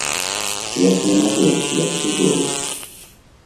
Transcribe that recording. Як не маё, як чужое.